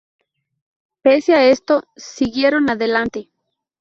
Pese a esto, siguieron adelante.